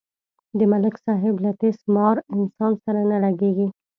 د ملک صاحب له تیس مار انسان سره نه لگېږي.